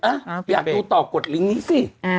อยากดูต่อกดลิงค์นี้สิ